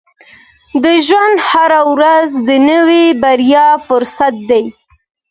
• د ژوند هره ورځ د نوې بریا فرصت دی.